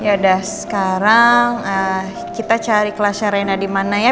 ya udah sekarang kita cari kelasnya rena di mana ya